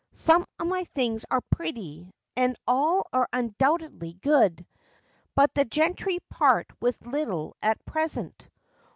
Some of my things are pretty, and all are undoubtedly good ; but the gentry part with little at present.